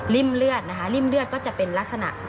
เลือดนะคะริ่มเลือดก็จะเป็นลักษณะ